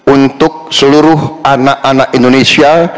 untuk seluruh anak anak indonesia